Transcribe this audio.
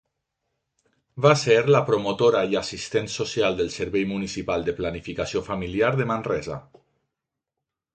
Va ser la promotora i assistent social del Servei Municipal de Planificació Familiar de Manresa.